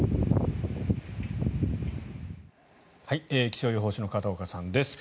気象予報士の片岡さんです。